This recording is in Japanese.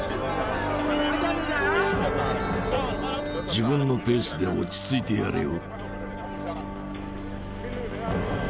自分のペースで落ち着いてやれよ。